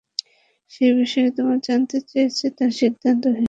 যে বিষয়ে তোমরা জানতে চেয়েছ তার সিদ্ধান্ত হয়ে গিয়েছে!